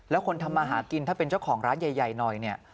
แล้วคนทำมาหากินถ้าเป็นเจ้าของร้านใหญ่หน่อยเนี่ย